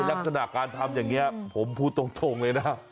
ลักษณะการทำอย่างนี้ผมพูดตรงเลยนะ